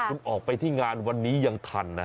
คุณออกไปที่งานวันนี้ยังทันนะ